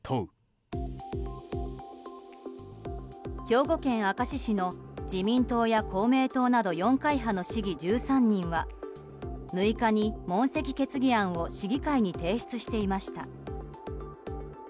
兵庫県明石市の自民党や公明党など４会派の市議１３人は、６日に問責決議案を市議会に提出していました。